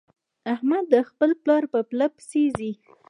احمد د خپل پلار په پله پسې ځي.